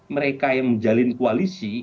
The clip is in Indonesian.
mereka yang menjalin koalisi